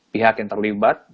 pihak yang terlibat